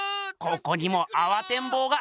ここにもあわてんぼうが。